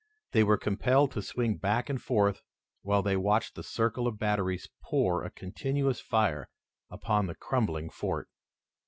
They were compelled to swing back and forth, while they watched the circle of batteries pour a continuous fire upon the crumbling fort.